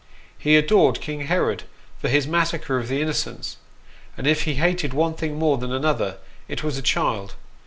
He adored King Herod for his massacre of the innocents ; and if he hated one thing more than another, it was a child.